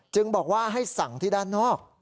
บอกว่าให้สั่งที่ด้านนอก